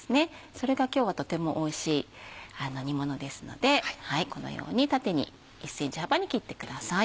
それが今日はとてもおいしい煮物ですのでこのように縦に１ｃｍ幅に切ってください。